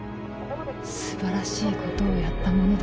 すばらしいことをやったものだ。